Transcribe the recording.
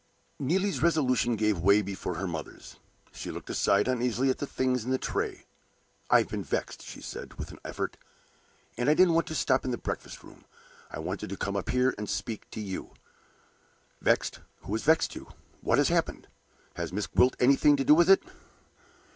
Neelie's resolution gave way before her mother's. She looked aside uneasily at the things in the tray. "I have been vexed," she said, with an effort; "and I didn't want to stop in the breakfast room. I wanted to come up here, and to speak to you." "Vexed? Who has vexed you? What has happened? Has Miss Gwilt anything to do with it?"